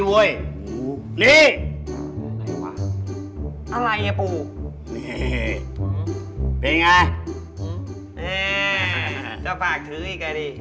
เว้ยนี่อะไรปูนี่เป็นไงนี่จะฝากถืออีกไงดิ